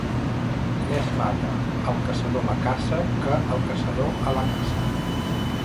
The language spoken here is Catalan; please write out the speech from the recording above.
Més mata al caçador la caça que el caçador a la caça.